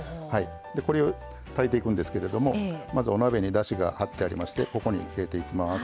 でこれを炊いていくんですけれどもまずお鍋にだしが張ってありましてここに入れていきます。